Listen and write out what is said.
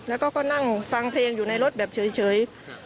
แล้วก็นั่งฟังเพลงอยู่ในรถแบบเฉย